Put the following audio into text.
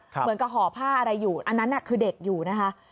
ห่อผ้าอะไรอยู่อันนั้นคือเด็กอยู่นะคะ